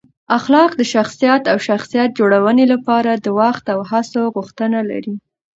اخلاق د شخصیت او شخصیت جوړونې لپاره د وخت او هڅو غوښتنه لري.